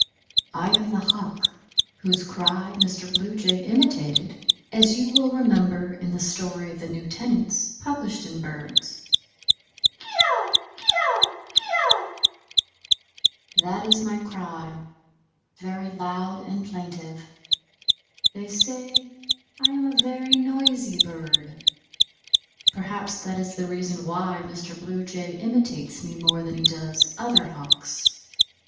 I am the Hawk whose cry Mr. Blue Jay imitated, as you will remember, in the story "The New Tenants," published in Birds. Kee oe, kee oe, kee oe, that is my cry, very loud and plaintive; they say I am a very noisy bird; perhaps that is the reason why Mr. Blue Jay imitates me more than he does other Hawks.